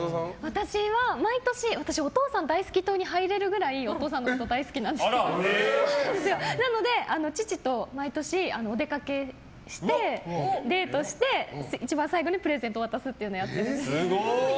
私はお父さん大好き党に入れるくらいお父さんが大好きなんですけどなので父と毎年お出かけして、デートして一番最後にプレゼント渡すというのをやってます。